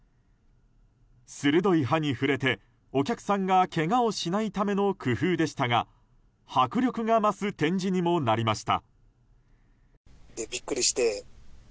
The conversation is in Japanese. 鋭い歯に触れて、お客さんがけがをしないための工夫でしたが迫力が増す展示にもなりました。